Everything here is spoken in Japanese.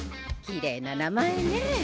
きれいな名前ねぇ。